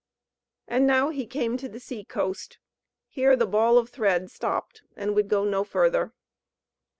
And now he came to the sea coast; here the ball of thread stopped, and would go no further.